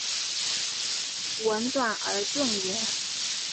吻短而钝圆。